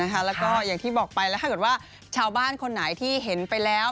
แล้วก็อย่างที่บอกไปแล้วถ้าเกิดว่าชาวบ้านคนไหนที่เห็นไปแล้ว